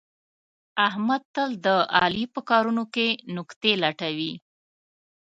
احمد تل د علي په کارونو کې نکتې لټوي.